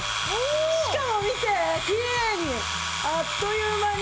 しかも見てきれいにあっという間に。